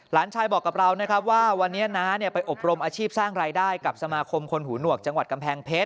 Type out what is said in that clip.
หลานชายบอกกับเรานะครับว่าวันนี้น้าไปอบรมอาชีพสร้างรายได้กับสมาคมคนหูหนวกจังหวัดกำแพงเพชร